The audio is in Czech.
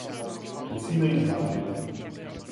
Musíme ji zvážit.